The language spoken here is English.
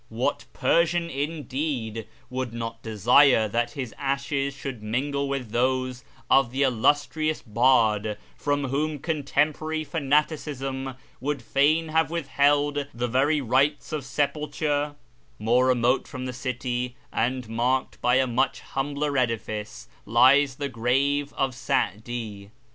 What Persian, indeed, would not desire that his ashes should mingle with those of the illustrious bard from whom contemporary fanaticism would fain have withheld the very rites of sepulture t More remote from the city, and marked by a much humbler edifice, lies the grave of Sa'di.